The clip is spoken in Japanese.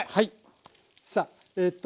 さあえと